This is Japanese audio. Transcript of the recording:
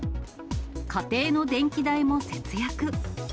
家庭の電気代も節約。